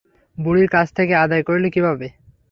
বুড়ির কাছ থেকে আদায় করলে কীভাবে?